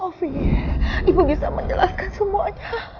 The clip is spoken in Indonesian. ibu bisa menjelaskan semuanya